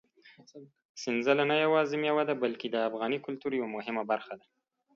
سنځله نه یوازې مېوه ده، بلکې د افغاني کلتور یوه مهمه برخه ده.